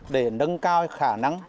để nâng cao khả năng